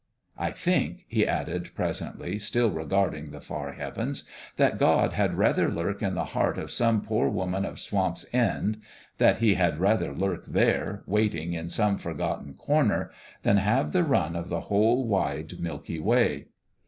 I think," he added, presently, still regard ing the far heavens, " that God had rather lurk in the heart of some poor woman of Swamp's End that He had rather lurk there, waiting, in some forgotten corner than have the run of the whole wide Milky Way."